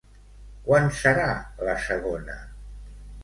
Quan serà la segona?